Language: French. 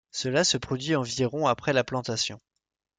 Cela se produit environ après la plantation.